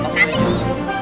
makasih ya pak makasih